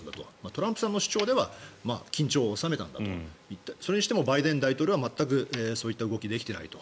トランプさんの主張では緊張を収めたんだとそれにしてもバイデン大統領は全くそういった動きができていないと。